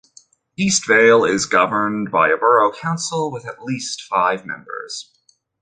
Eastvale is governed by a borough council with at least five members.